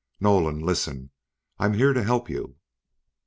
"Nolan. Listen, I'm here to help you."